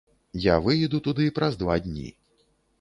Я выеду туды праз два дні.